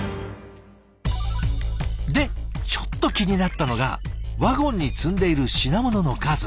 でちょっと気になったのがワゴンに積んでいる品物の数。